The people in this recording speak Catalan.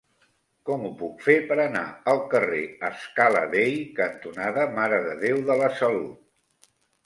Com ho puc fer per anar al carrer Scala Dei cantonada Mare de Déu de la Salut?